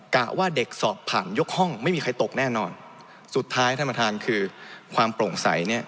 ว่าเด็กสอบผ่านยกห้องไม่มีใครตกแน่นอนสุดท้ายท่านประธานคือความโปร่งใสเนี่ย